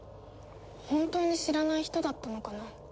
本当に知らない人だったのかな。